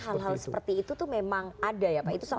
artinya hal hal seperti itu memang ada ya pak